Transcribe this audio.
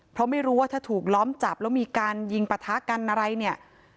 เพราะไม่รู้ว่าถ้าถูกล้อมจับแล้วมีการยิงปะทะกันอะไรเนี่ย